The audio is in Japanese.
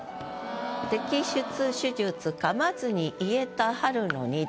「摘出手術噛まずに言えた春の虹」